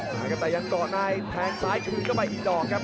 แต่ยังต่อได้แผงซ้ายคือเข้าไปหินหลอกครับ